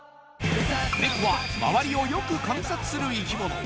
ネコは周りをよく観察する生き物